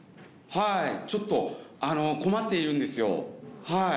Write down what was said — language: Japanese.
ちょっとあの困っているんですよはい。